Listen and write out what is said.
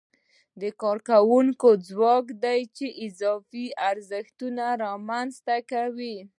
د کارکوونکو ځواک دی چې اضافي ارزښت رامنځته کوي